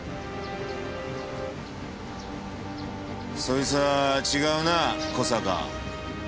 そいつは違うなぁ小坂。